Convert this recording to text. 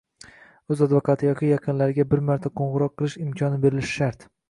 o‘z advokatiga yoki yaqinlariga bir marta qo‘ng‘iroq qilish imkoni berilishi shart.